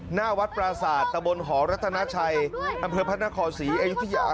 หน้าวัดปราศาสตร์ตะบนหอรัฐนาชัยอำเภอพระนครศรีอยุธยา